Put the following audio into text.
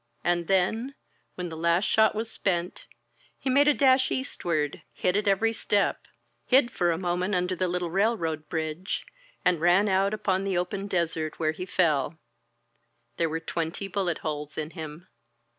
And then, when the last shot was spent, he made a dash eastward, hit at every step; hid for a moment under the little railroad bridge, and ran out upon the open desert, where he fell. There were twenty bullet holes in him.